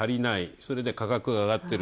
それで価格が上がってる。